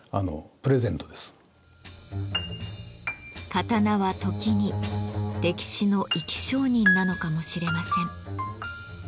刀は時に歴史の生き証人なのかもしれません。